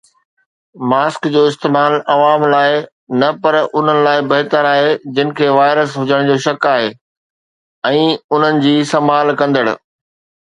mask جو استعمال عوام لاءِ نه پر انهن لاءِ بهتر آهي جن کي وائرس هجڻ جو شڪ آهي ۽ انهن جي سنڀال ڪندڙ